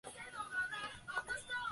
誰もいないうちに学校へ行った。